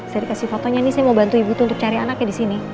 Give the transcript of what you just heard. saya dikasih fotonya ini saya mau bantu ibu tuh untuk cari anaknya di sini